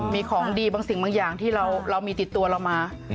มีของดีบางสิ่งบางอย่างที่เรามีติดตัวเรามา